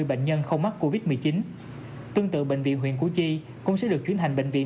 bệnh nhân không mắc covid một mươi chín tương tự bệnh viện huyện củ chi cũng sẽ được chuyển thành bệnh viện